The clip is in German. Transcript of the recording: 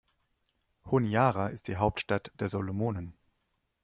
Honiara ist die Hauptstadt der Salomonen.